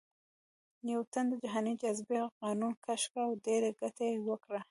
نیوټن د جهاني جاذبې قانون کشف کړ او ډېره ګټه یې وکړه